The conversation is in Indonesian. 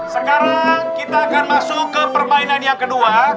sekarang kita akan masuk ke permainan yang kedua